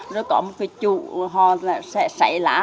rồi có một cái trụ họ sẽ xảy lá